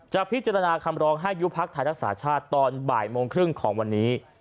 จะพิจารณาคำรองให้ยุพักษ์ฐานักศาสตร์ชาติตอนบ่ายโมงครึ่งของวันนี้